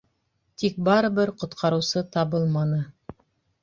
Тик барыбер ҡотҡарыусы табылманы.